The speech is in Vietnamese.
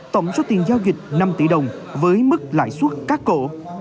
tổng số tiền giao dịch năm tỷ đồng với mức lãi suất cắt cổ